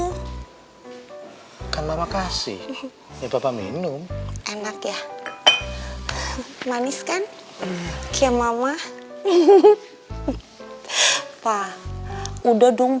hai kan makasih ya papa minum enak ya manis kan kaya mama iheh pak udah dong